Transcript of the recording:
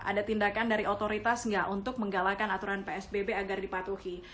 ada tindakan dari otoritas nggak untuk menggalakkan aturan psbb agar dipatuhi